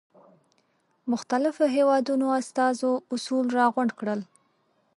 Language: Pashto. مختلفو هېوادونو استازو اصول را غونډ کړل.